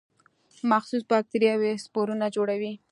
مخصوص باکتریاوې سپورونه جوړوي.